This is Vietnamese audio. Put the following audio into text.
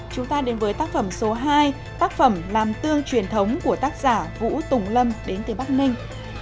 chúng ta đến với tác phẩm số hai tác phẩm làm tương truyền thống của tác giả vũ tùng lâm đến từ bắc ninh